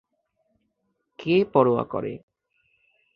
কে পরোয়া করে।